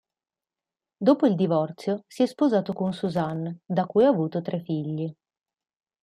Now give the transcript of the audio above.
Dopo il divorzio, si è sposato con Suzanne, da cui ha avuto tre figli.